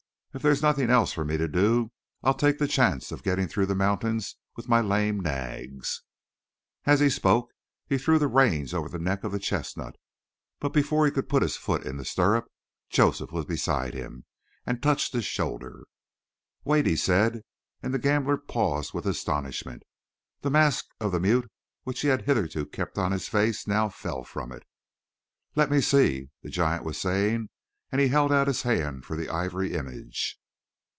If there's nothing else for me to do, I'll take the chance of getting through the mountains with my lame nags." As he spoke he threw the reins over the neck of the chestnut; but before he could put his foot in the stirrup Joseph was beside him and touched his shoulder. "Wait!" said he, and the gambler paused with astonishment. The mask of the mute which he had hitherto kept on his face now fell from it. "Let me see," the giant was saying, and held out his hand for the ivory image.